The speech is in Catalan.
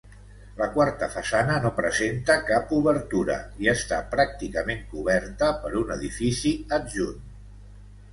La quarta façana no presenta cap obertura i està pràcticament coberta per un edifici adjunt.